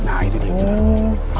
nah ini dia